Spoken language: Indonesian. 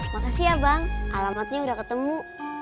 makasih ya bang alamatnya udah ketemu